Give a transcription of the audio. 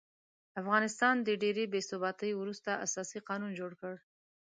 افغانستان د ډېرې بې ثباتۍ وروسته اساسي قانون جوړ کړ.